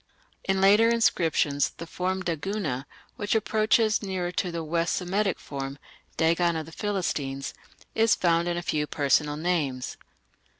In later inscriptions the form Daguna, which approaches nearer to the West Semitic form (Dagon of the Philistines), is found in a few personal names.